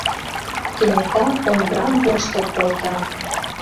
Кенета Ондран воштыл колта: